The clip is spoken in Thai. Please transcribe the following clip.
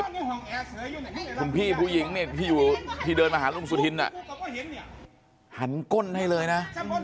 พี่พุ่งผู้หญิงที่อยู่ที่เดินมาหาลุงสุธินฮะหันก้นให้เลยนะ